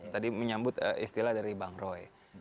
tadi menyambut istilah dari bang roy